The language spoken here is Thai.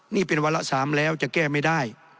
นี่เป็นวาระ๓แล้วจะแก้ไม่ได้